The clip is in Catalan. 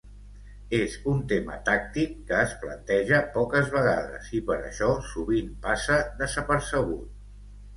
És un tema tàctic que es planteja poques vegades, i per això sovint passa desapercebut.